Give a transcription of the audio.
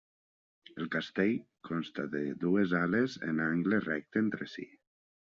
El castell consta de dues ales en angle recte entre si.